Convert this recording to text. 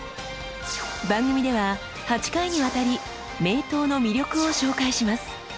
番組では８回にわたり名刀の魅力を紹介します。